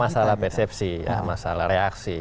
masalah persepsi masalah reaksi